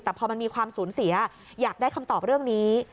แต่พอมันมีความสูญเสียอยากได้คำตอบเรื่องนี้